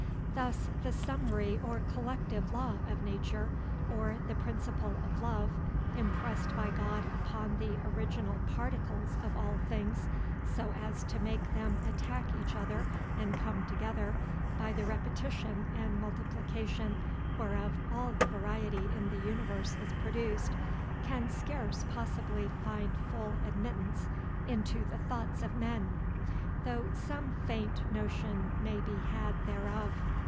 Thus the summary or collective law of nature, or the principle of love, impressed by God upon the original particles of all things, so as to make them attack each other and come together, by the repetition and multiplication whereof all the variety in the universe is produced, can scarce possibly find full admittance into the thoughts of men, though some faint notion may be had thereof.